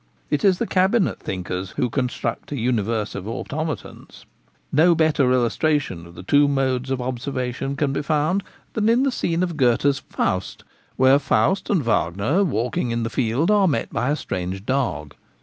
It is the cabinet thinkers who construct a universe of automatons. No better illustration of the two modes of obser vation can be found than in the scene of Goethe's 4 Faust ' where Faust and Wagner walking in the field are met by a strange dog.